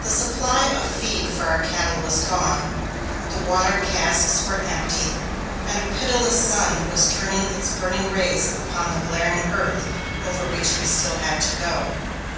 The supply of feed for our cattle was gone, the water casks were empty, and a pitiless sun was turning its burning rays upon the glaring earth over which we still had to go.